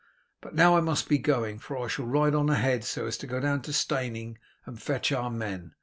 But now I must be going, for I shall ride on ahead so as to go down to Steyning and fetch our men.